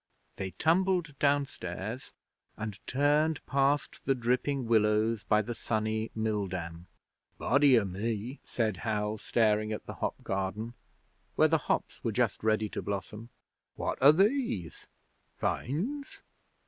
They tumbled downstairs, and turned past the dripping willows by the sunny mill dam. 'Body o' me,' said Hal, staring at the hop garden, where the hops were just ready to blossom. 'What are these? Vines?